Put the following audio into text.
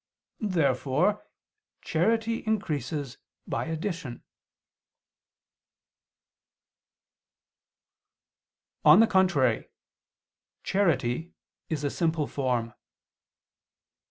Therefore charity increases by addition. On the contrary, Charity is a simple form.